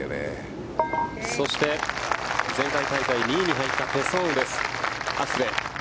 そして２年前の大会２位に入ったペ・ソンウです。